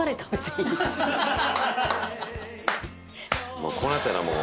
もうこうなったらもう。